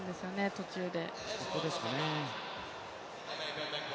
途中で。